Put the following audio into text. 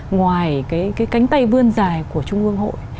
ngoài cái cánh tay vươn dài của trung ương hội